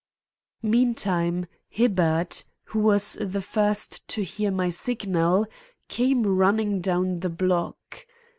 Meantime, Hibbard, who was the first to hear my signal, came running down the block.